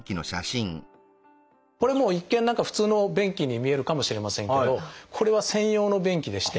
これも一見何か普通の便器に見えるかもしれませんけどこれは専用の便器でして。